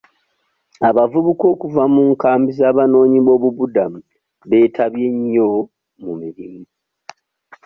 Abavubuka okuva mu nkambi z'abanoonyi b'obubuddamu beetabye nnyo mu mirimu.